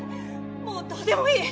もうどうでもいい！